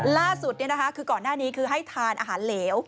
ล่าสุดคือก่อนหน้านี้คือให้ทานอาหารเหลว